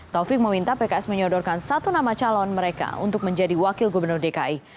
taufik meminta pks menyodorkan satu nama calon mereka untuk menjadi wakil gubernur dki